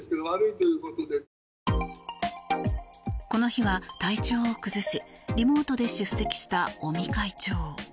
この日は体調を崩しリモートで出席した尾身会長。